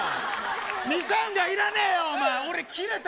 ミサンガいらねえよ。